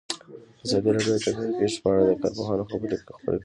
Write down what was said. ازادي راډیو د طبیعي پېښې په اړه د کارپوهانو خبرې خپرې کړي.